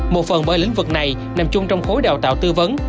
một phần bởi lĩnh vực này nằm chung trong khối đào tạo tư vấn